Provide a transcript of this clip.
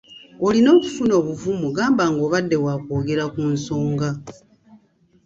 Olina okufuna obuvumu gamba ng'obadde wa kwogera ku nsonga.